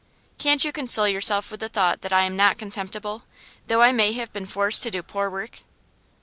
Can't you console yourself with the thought that I am not contemptible, though I may have been forced to do poor work?